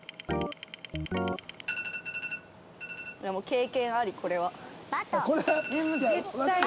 経験ありこれは。